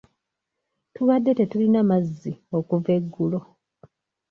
Tubadde tetulina mazzi okuva eggulo.